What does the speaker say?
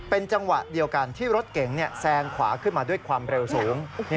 เป็นจังหวะเดียวกันที่รถเก๋งแซงขวาขึ้นมาด้วยความเร็วสูง